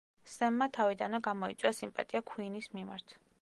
სემმა თავიდანვე გამოიწვია სიმპატია ქუინის მიმართ.